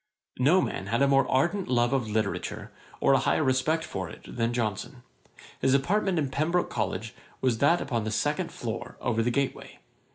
No man had a more ardent love of literature, or a higher respect for it than Johnson. His apartment in Pembroke College was that upon the second floor, over the gateway.